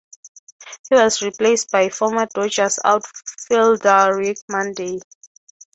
He was replaced by former Dodgers outfielder Rick Monday.